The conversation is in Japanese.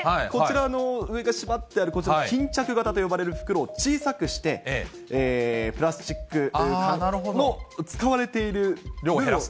こちら、上が縛ってあるこちら、巾着型と呼ばれる袋を小さくして、プラスチックの使われている。